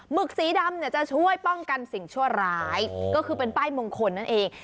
ึกสีดำเนี่ยจะช่วยป้องกันสิ่งชั่วร้ายก็คือเป็นป้ายมงคลนั่นเอง